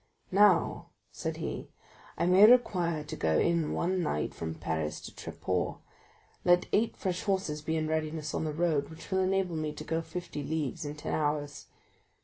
"Now," said he, "I may require to go in one night from Paris to Tréport; let eight fresh horses be in readiness on the road, which will enable me to go fifty leagues in ten hours."